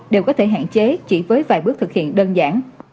đều có thể hạn chế chỉ với vài bước thực hiện đơn giản